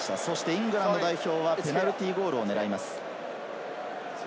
イングランド代表はペナルティーゴールを狙います。